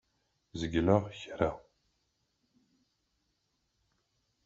Zegleɣ kra?